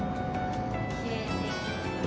きれいね。